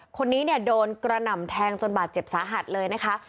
คนนี้เนี่ยโดนกระหน่ำแทงจนบาดเจ็บสาหัสเลยนะคะ